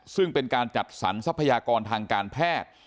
ซึ่งเป็นการจัดสรรทรัพยากรทางการแพทย์